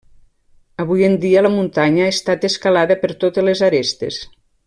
Avui en dia la muntanya ha estat escalada per totes les arestes.